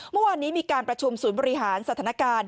เมื่อวานนี้มีการประชุมศูนย์บริหารสถานการณ์